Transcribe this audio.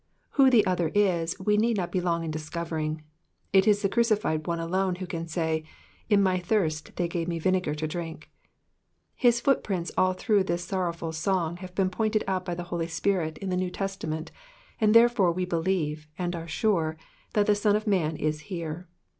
Who that other is, roe need not be long in discovering ; it is the Crucified alone who can say, '•in my thirst they gave me vinegar to drink. Mis footprints aU through this sorroic/Hl song have been pointed out by the Holy Spirit in the New Testament, and ther^ore we believe, and are sure, that the ISon cf Man is here.